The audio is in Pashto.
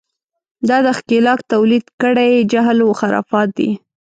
دا د ښکېلاک تولید کړی جهل و خرافات دي.